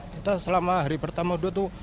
kita selama hari pertama dulu tuh